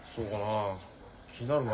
あ気になるなあ。